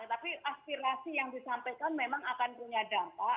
tapi aspirasi yang disampaikan memang akan punya dampak